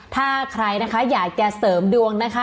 ถ้าใครนะคะอยากจะเสริมดวงนะคะ